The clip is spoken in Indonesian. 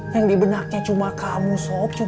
yang di benaknya cuma kamu sop